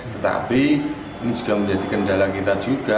tetapi ini sudah menjadi kendala kita juga